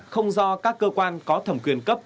không do các cơ quan có thầm quyền cấp